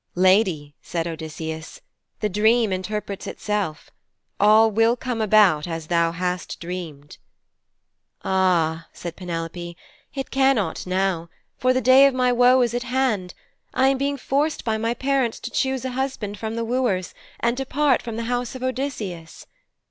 'Lady,' said Odysseus, 'the dream interprets itself. All will come about as thou hast dreamed.' 'Ah,' said Penelope, 'but it cannot now, for the day of my woe is at hand. I am being forced by my parents to choose a husband from the wooers, and depart from the house of Odysseus.'